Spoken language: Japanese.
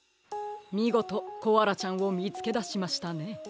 みごとコアラちゃんをみつけだしましたね。